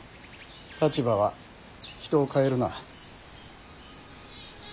立場は人を変えるな。